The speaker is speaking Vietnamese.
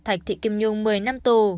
thạch thị kim nhung một mươi năm tù